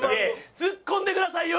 ツッコんでくださいよ！